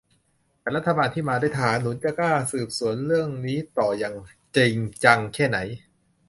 แต่รัฐบาลที่มาด้วยทหารหนุน จะกล้าสืบสวนเรื่องนี้ต่ออย่างจริงจังแค่ไหน